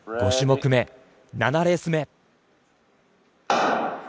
５種目め、７レース目。